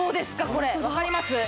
これ分かります？